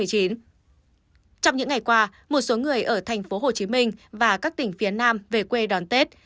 trong những ngày qua một số người ở thành phố hồ chí minh và các tỉnh phía nam về quê đón tết